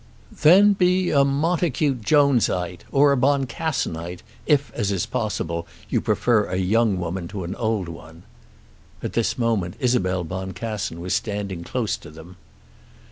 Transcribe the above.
"Then be a Montacute Jones ite; or a Boncassenite, if, as is possible, you prefer a young woman to an old one." At this moment Isabel Boncassen was standing close to them.